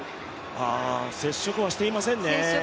接触はしていませんね。